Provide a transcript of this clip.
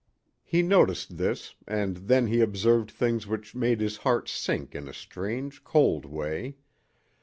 He noticed this, and then he observed things which made his heart sink in a strange, cold way.